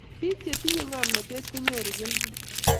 pik chetinye ngomnotet konoru kelchin